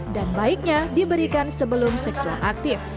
baiknya diberikan sebelum seksual aktif